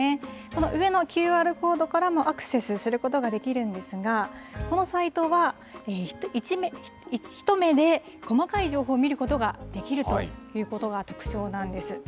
この上のＱＲコードからもアクセスすることができるんですが、このサイトは、一目で細かい情報を見ることができるということが特徴なんです。